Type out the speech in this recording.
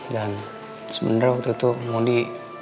dan sebenernya waktu itu maudy